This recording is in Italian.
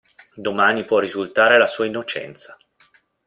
Domani può risultare la sua innocenza.